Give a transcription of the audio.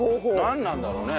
なんなんだろうね？